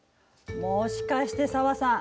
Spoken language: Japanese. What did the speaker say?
もしかして紗和さん